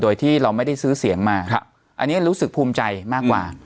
โดยที่เราไม่ได้ซื้อเสียงมาอันนี้รู้สึกภูมิใจมากกว่า